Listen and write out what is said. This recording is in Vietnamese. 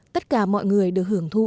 tất cả mọi người được hưởng thụ